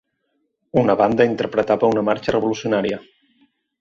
Una banda interpretava una marxa revolucionària.